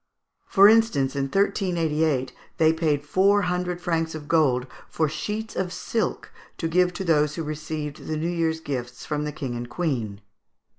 For instance, in 1388 they paid four hundred francs of gold for sheets of silk to give to those who received the New Year's gifts from the King and Queen.